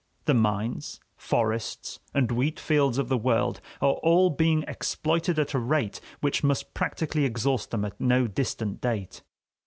The mines, forests, and wheat fields of the world are all being exploited at a rate which must practically exhaust them at no distant date.